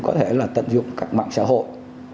có thể là tận dụng các mạng xã hội